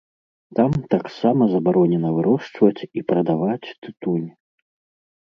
Там таксама забаронена вырошчваць і прадаваць тытунь.